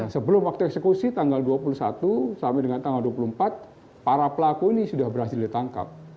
sebelum waktu eksekusi tanggal dua puluh satu sampai dengan tanggal dua puluh empat para pelaku ini sudah berhasil ditangkap